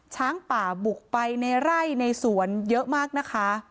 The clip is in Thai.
ช้างป่าบุกไปในไร่ในสวนเยอะมากนะคะ